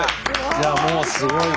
いやもうすごいわ！